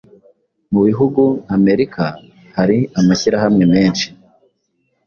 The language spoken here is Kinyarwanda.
Mu bihugu nka America hari amashyirahamwe menshi